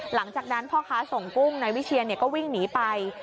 หลังจากนั้นพ่อค้าส่งกุ้งนายวิเชียนก็วิ่งหนีไป